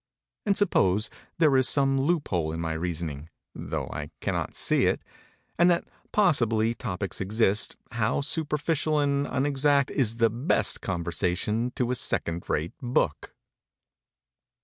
And suppose there is some loophole in my reasoning though I cannot see it and that possible topics exist, how superficial and unexact is the best conversation to a second rate book!